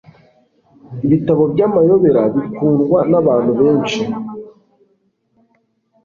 Ibitabo byamayobera bikundwa nabantu benshi.